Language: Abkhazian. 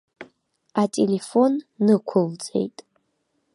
Ателефон нықәылҵеит.